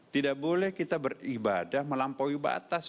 tidak boleh kita beribadah melampaui batas